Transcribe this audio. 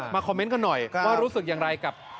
คอมเมนต์กันหน่อยว่ารู้สึกอย่างไรกับ